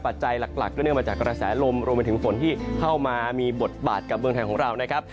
ปัจจัยหลักก็เนื่องมาจากกระแสลมรวมไปถึงฝนที่เข้ามามีบทบาทกับเมืองไทยของเรานะครับ